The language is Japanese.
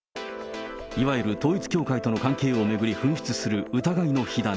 いわゆる統一教会との関係を巡り噴出する疑いの火種。